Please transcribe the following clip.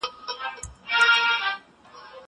کېدای سي سیر اوږد وي!